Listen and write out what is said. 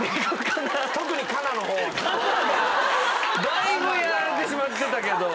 だいぶやられてしまってたけど。